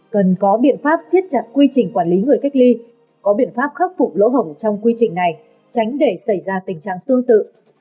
cần có biện pháp siết chặt quy trình quản lý người cách ly có biện pháp khắc phục lỗ hồng trong quy trình này tránh để xảy ra tình trạng tương tự